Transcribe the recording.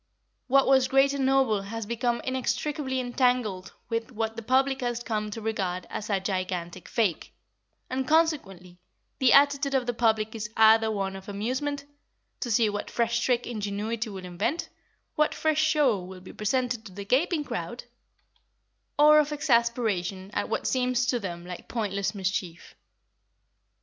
What was great and noble has become inextricably entangled with what the public has come to regard as a gigantic fake, and consequently the attitude of the public is either one of amusement, to see what fresh trick ingenuity will invent, what fresh show will be presented to the gaping crowd, or of exasperation at what seems to them like pointless mischief.